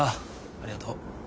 ありがとう。